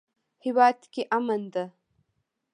هیواد کې امن ده